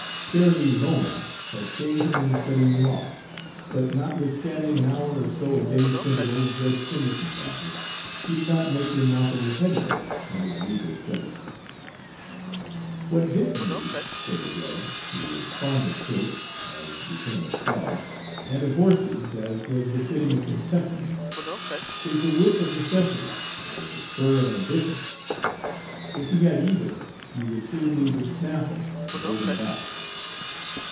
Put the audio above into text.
Charity Lomax had shamed him into studying law, but notwithstanding an hour or so a day spent at old Judge Fenderson's office, he did not make remarkable headway in his legal studies. Page 170 "What Dick needs," said the judge, who was fond of tropes, as became a scholar, and of horses, as was befitting a Kentuckian, "is the whip of necessity, or the spur of ambition. If he had either, he would soon need the snaffle to hold him back."